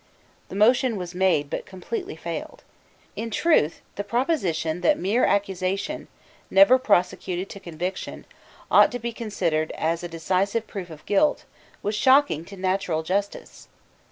The motion was made, but completely failed. In truth the proposition, that mere accusation, never prosecuted to conviction, ought to be considered as a decisive proof of guilt, was shocking to natural justice.